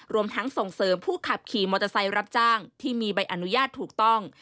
รวมทั้งส่งเสริมผู้ขับขี่มอเตอร์ไซค์รับจ้างที่มีใบอนุญาตถูกต้อง